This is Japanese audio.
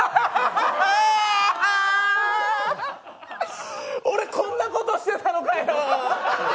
あ、俺、こんなことしてたのかよ。